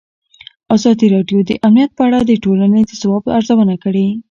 ازادي راډیو د امنیت په اړه د ټولنې د ځواب ارزونه کړې.